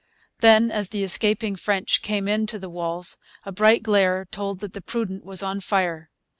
Then, as the escaping French came in to the walls, a bright glare told that the Prudent was on fire.